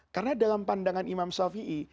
karena dalam pandangan imam shafi'i